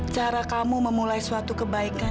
cara kamu memulai suatu kebaikan